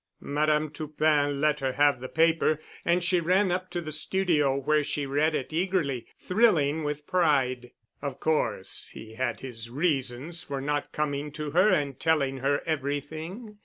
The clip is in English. Madame Toupin let her have the paper and she ran up to the studio, where she read it eagerly, thrilling with pride. Of course he had his reasons for not coming to her and telling her everything.